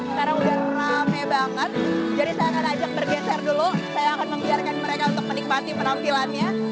sekarang udah rame banget jadi saya akan ajak bergeser dulu saya akan membiarkan mereka untuk menikmati penampilannya